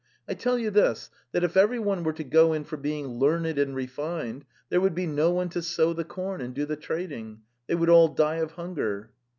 I tell you this, that if everyone were to go in for being learned and refined there would be no one to sow the corn and do the trading; they would all die of hun ger.